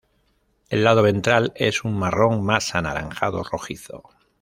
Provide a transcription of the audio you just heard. El lado ventral es un marrón más anaranjado rojizo.